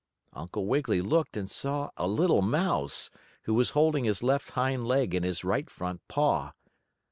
Uncle Wiggily looked, and saw a little mouse, who was holding his left hind leg in his right front paw.